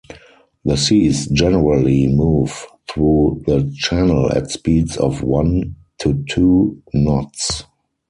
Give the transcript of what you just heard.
The seas generally move through the channel at speeds of one to two knots.